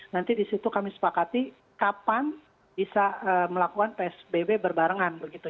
nanti di situ kami sepakati kapan bisa melakukan psbb berbarengan begitu